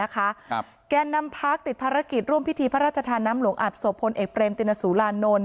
แกนนำพักติดภารกิจร่วมพิธีพระราชทานน้ำหลวงอาบศพพลเอกเรมตินสุรานนท์